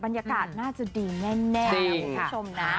บรรยากาศน่าจะดีแน่นะคุณผู้ชมนะ